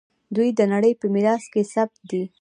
دوی د نړۍ په میراث کې ثبت دي.